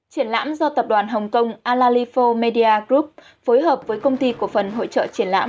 triển lãm do tập đoàn hồng kông allifor media group phối hợp với công ty cổ phần hội trợ triển lãm